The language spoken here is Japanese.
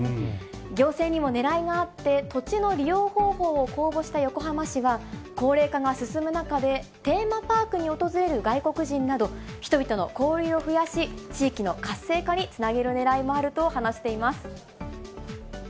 行政にもねらいがあって、土地の利用方法を公募した横浜市は、高齢化が進む中で、テーマパークに訪れる外国人など、人々の交流を増やし、地域の活性化につなげるねらいもあると話しています。